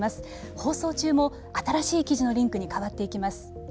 放送中も、新しい記事のリンクに変わっていきます。